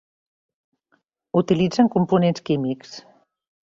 Utilitzen components químics.